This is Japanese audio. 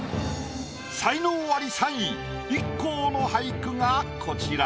才能アリ３位ＩＫＫＯの俳句がこちら。